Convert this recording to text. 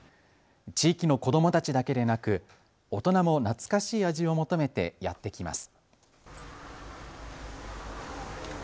地域の子どもたちだけでなく大人も懐かしい味を求めてやって来ます。